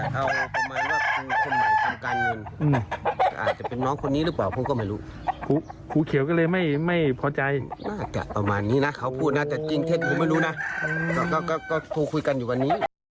แค่ได้กลับมาอยู่บ้าน